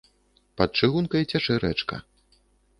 Пад чыгункай цячэ рэчка.